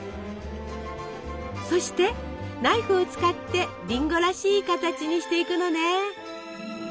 そしてナイフを使ってりんごらしい形にしていくのね。